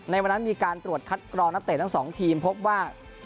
ในวันนั้นมีการตรวจคัดกรองนักเตะทั้งสองทีมพบว่า